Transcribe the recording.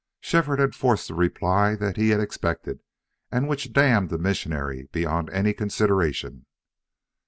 Shefford had forced the reply that he had expected and which damned the missionary beyond any consideration.